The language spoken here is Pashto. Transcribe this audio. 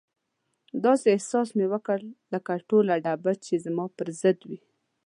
داسې احساس مې وکړ لکه ټوله ډبه چې زما پر ضد وي.